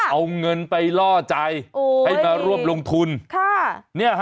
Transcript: เอาเงินไปล่อใจให้มาร่วมลงทุน